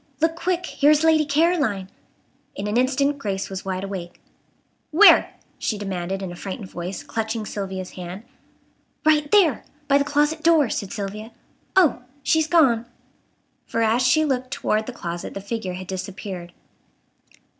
Look quick! here is Lady Caroline!" In an instant Grace was wide awake. "Where?" she demanded, in a frightened voice, clutching Sylvia's hand. "Right there! By the closet door," said Sylvia. "Oh! she's gone!" For as she looked toward the closet the figure had disappeared.